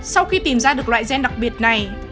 sau khi tìm ra được loại gen đặc biệt này